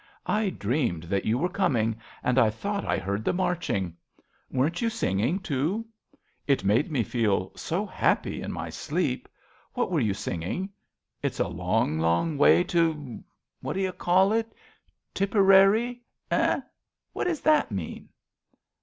I dreamed that you were coming, and I thought 38 A BELGIAN CHRISTMAS EVE I heard the inarching. Weren't you singing, too ? It made me feel so happy in my sleep. What were you singing ?" It's a long, long way To ' what d'you call it ? Tipperary ? eh? What does that mean?